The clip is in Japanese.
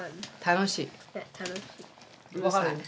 楽しい。